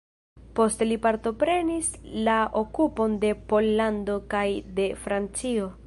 Poste li partoprenis la okupon de Pollando kaj de Francio.